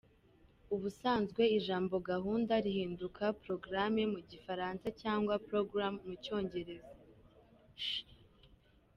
Ubusanzwe ijambo ‘gahunda’ rihinduka ‘programme’ mu Gifaransa cyangwa ‘program’ mu Cyongereza.